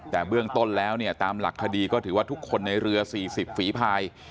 แต่เบื้องต้นแล้วเนี่ยตามหลักคดีก็ถือว่าทุกคนในเรือ๔๐ฝีภาย